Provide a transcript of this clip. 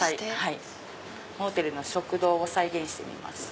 モーテルの食堂を再現してみました。